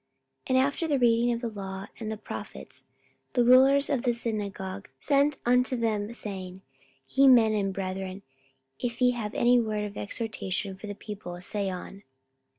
44:013:015 And after the reading of the law and the prophets the rulers of the synagogue sent unto them, saying, Ye men and brethren, if ye have any word of exhortation for the people, say on.